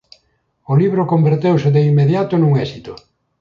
O libro converteuse de inmediato nun éxito.